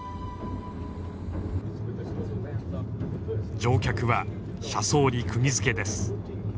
乗客は車窓にくぎづけです。